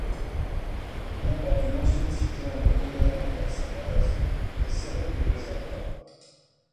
Il comporte une ancienne citerne romaine dans sa base qui a servi de réservoir.